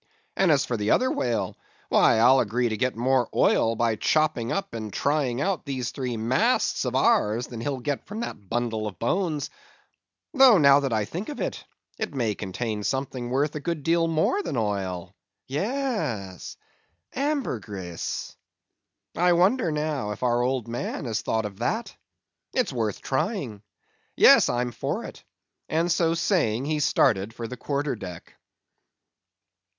And as for the other whale, why, I'll agree to get more oil by chopping up and trying out these three masts of ours, than he'll get from that bundle of bones; though, now that I think of it, it may contain something worth a good deal more than oil; yes, ambergris. I wonder now if our old man has thought of that. It's worth trying. Yes, I'm for it;" and so saying he started for the quarter deck.